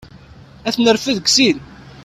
Ad t-nerfed deg sin.